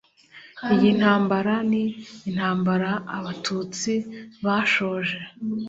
iyi ntambara ni intambara abatutsi bashoje